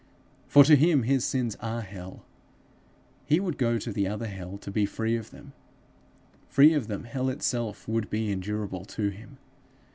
For to him his sins are hell; he would go to the other hell to be free of them; free of them, hell itself would be endurable to him.